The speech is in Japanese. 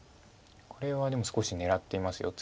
これはでも少し狙っています。